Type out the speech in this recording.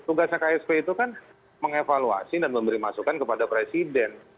tugasnya ksp itu kan mengevaluasi dan memberi masukan kepada presiden